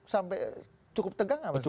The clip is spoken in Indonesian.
sampai cukup tegang nggak mas